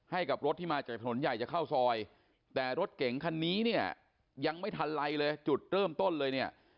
ให้กับรถที่มาจากถนนใหญ่จะเข้าซอยแต่รถเก๋งคันนี้เนี่ยยังไม่ทันไรเลยจุดเริ่มต้นเลยเนี่ย